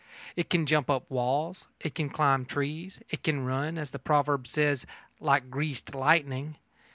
It can jump up walls. It can climb trees. It can run, as the proverb says, like "greased lightning."